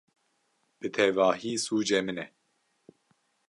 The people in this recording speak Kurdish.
Bi tevahî sûcê min e!